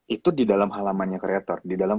itu di dalam halamannya kreator di dalam